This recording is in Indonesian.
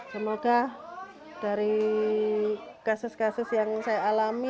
semoga dari kasus kasus yang saya alami